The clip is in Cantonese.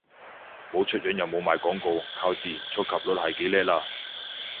冇出樣又冇賣廣告，靠自然觸及率係幾叻喇